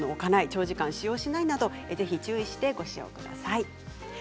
長時間使用しない、など注意してご使用ください。